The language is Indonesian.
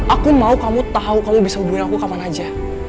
aku mau kamu tahu kamu bisa hubungin aku kapan aja